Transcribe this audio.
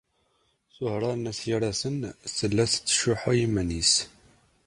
Ẓuhṛa n At Yiraten tella tettcuḥḥu i yiman-nnes.